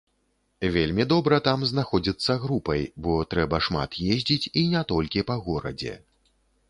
Вельмі добра там знаходзіцца групай, бо трэба шмат ездзіць, і не толькі па горадзе.